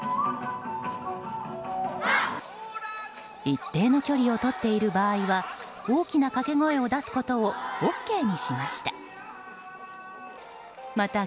一定の距離をとっている場合は大きな掛け声を出すことをＯＫにしました。